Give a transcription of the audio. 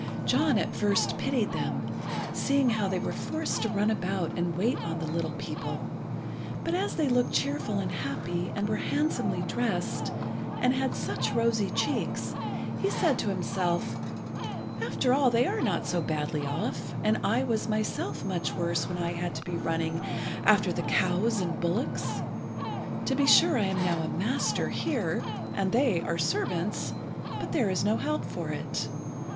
John at first pitied them, seeing how they were forced to run about and wait on the little people, but as they looked cheerful and happy, and were handsomely dressed, and had such rosy cheeks, he said to himself "After all, they are not so badly off, and I was myself much worse when I had to be running after the cows and bullocks. To be sure I am now a master here, and they are servants, but there is no help for it.